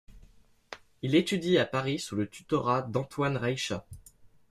Il étudie à Paris sous le tutorat d'Antoine Reicha.